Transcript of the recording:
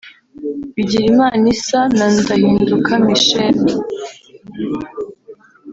Bigirimana Issa na Ndahinduka Michel